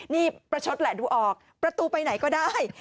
นี่ประชดแหละดูออกประตูไปไหนก็ได้